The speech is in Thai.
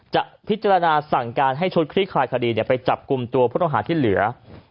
จะพิจารณาสั่งการให้ชุดคลี่คลายคดีไปจับกลุ่มตัวผู้ต้องหาที่เหลือ